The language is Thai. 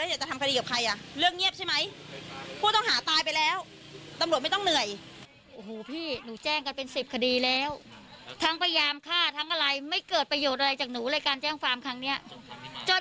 เห็นเจ้าหนูตายน่ะแล้วใครจะมารับผิดชอบ